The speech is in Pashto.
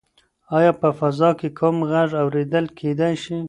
ایا په فضا کې کوم غږ اورېدل کیدی شي؟